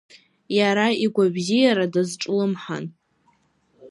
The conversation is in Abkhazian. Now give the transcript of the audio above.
Иара игәабзиара дазҿлымҳан.